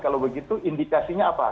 kalau begitu indikasinya apa